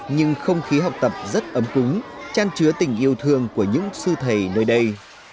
nhưng không khí học tập rất ấm cúng tràn trứa tình yêu thương của những sư thầy nơi đây